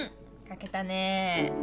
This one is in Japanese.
書けたね。